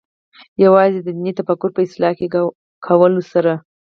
یوازې د دیني تفکر په اصلاح کولو سره.